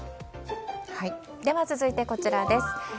では続いて、こちらです。